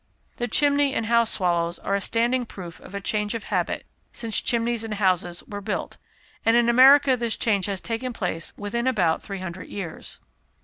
The chimney and house swallows are a standing proof of a change of habit since chimneys and houses were built, and in America this change has taken place within about three hundred years.